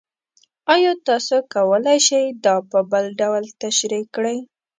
ایا تاسو کولی شئ دا په بل ډول تشریح کړئ؟